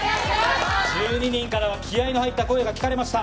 １２人からは気合いの入った声が聞かれました。